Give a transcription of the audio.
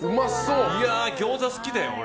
ギョーザ好きだよ、俺。